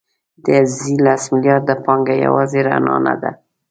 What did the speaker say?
د عزیزي لس میلیارده پانګه یوازې رڼا نه ده.